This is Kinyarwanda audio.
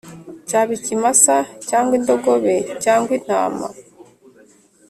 cyaba ikimasa cyangwa indogobe cyangwa intama